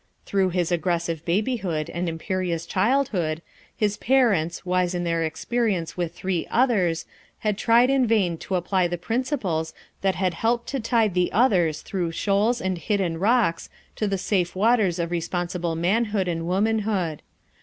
Through his aggressive babyhood and imperious child hood his parents, wise in their experience with three others, had tried in vain to apply the prin ciples that had helped to tide the others through shoals and hidden rocks to the safe waters of responsible manhood and womanhood.